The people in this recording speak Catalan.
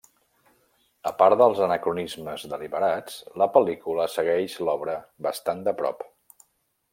A part dels anacronismes deliberats, la pel·lícula segueix l'obra bastant de prop.